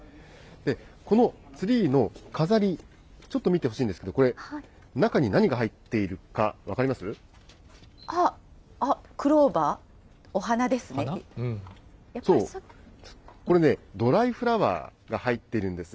このツリーの飾り、ちょっと見てほしいんですけれども、これ、中に何が入っているかあっ、そう、これね、ドライフラワーが入っているんです。